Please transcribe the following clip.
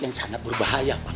yang sangat berbahaya pak